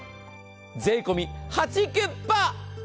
税込みハチキュッパ。